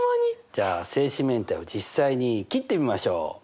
じゃあ正四面体を実際に切ってみましょう。